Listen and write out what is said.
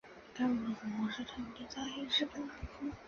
该物种的模式产地在日本南部。